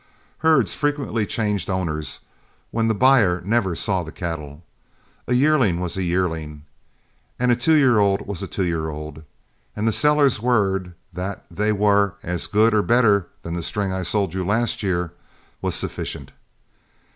Herds frequently changed owners when the buyer never saw the cattle. A yearling was a yearling and a two year old was a two year old, and the seller's word, that they were "as good or better than the string I sold you last year," was sufficient.